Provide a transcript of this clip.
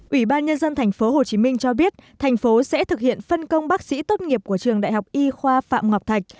ủy ban nhân dân thành phố hồ chí minh cho biết thành phố sẽ thực hiện phân công bác sĩ tốt nghiệp của trường đại học y khoa phạm ngọc thạch